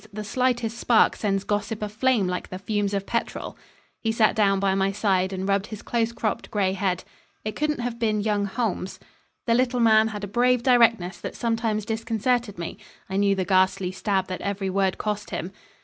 The slightest spark sends gossip aflame like the fumes of petrol." He sat down by my side and rubbed his close cropped grey head. "It couldn't have been young Holmes?" The little man had a brave directness that sometimes disconcerted me. I knew the ghastly stab that every word cost him.